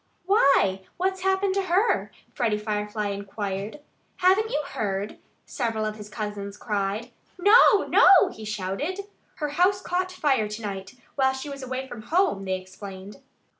"Why, what's happened to her?" Freddie Firefly inquired. "Haven't you heard?" several of his cousins cried. "No! no!" he shouted. "Her house caught fire to night, while she was away from home," they explained.